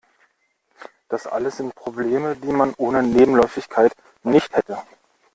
Das alles sind Probleme, die man ohne Nebenläufigkeit nicht hätte.